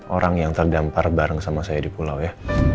orang yang terdampar bareng sama saya di pulau ya